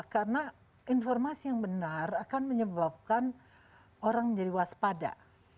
karena informasi yang benar akan menyebabkan orang menjadi waspada